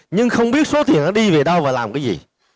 nhưng không biết số tiền nó đi về đâu và làm cái gì